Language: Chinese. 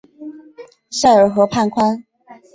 塞尔河畔宽。